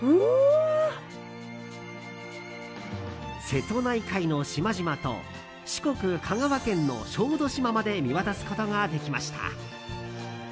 瀬戸内海の島々と四国・香川県の小豆島まで見渡すことができました。